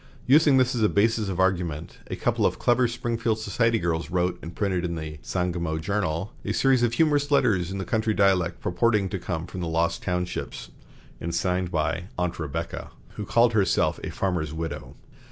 Using this as a basis of argument, a couple of clever Springfield society girls wrote and printed in the "Sangamo Journal" a series of humorous letters in country dialect, purporting to come from the "Lost Townships," and signed by "Aunt Rebecca," who called herself a farmer's widow.